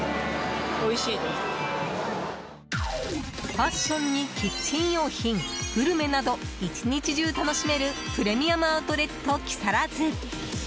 ファッションにキッチン用品グルメなど１日中楽しめるプレミアムアウトレット木更津。